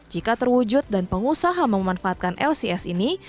jika terwujud dan pengusaha memanfaatkan lcs ini